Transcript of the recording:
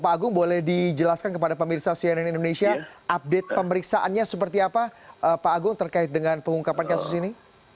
pak agung boleh dijelaskan kepada pemirsa cnn indonesia update pemeriksaannya seperti apa pak agung terkait dengan pengungkapan kasus ini